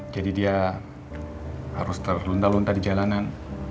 jadi dia harus terluntar luntar di jalanan